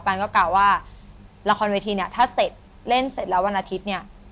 นก็กล่าวว่าละครเวทีเนี่ยถ้าเสร็จเล่นเสร็จแล้ววันอาทิตย์เนี่ย